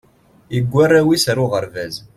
iwwi arraw is ar uɣerbaz